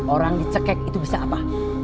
orang dicekek itu bisa apa